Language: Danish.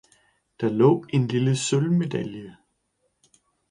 Der lå en lille sølvsmedje.